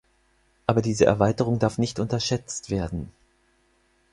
Aber diese Erweiterung darf nicht unterschätzt werden.